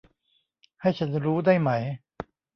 ให้ฉันรู้ได้ไหม